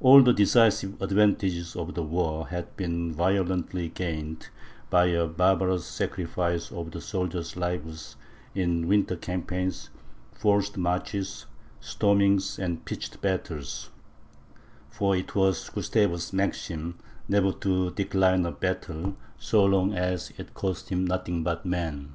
All the decisive advantages of the war, had been violently gained by a barbarous sacrifice of the soldiers' lives in winter campaigns, forced marches, stormings, and pitched battles; for it was Gustavus's maxim never to decline a battle, so long as it cost him nothing but men.